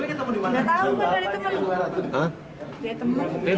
udah tau kan dari teman